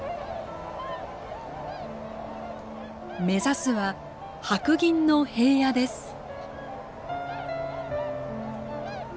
目指すは白銀の平野です。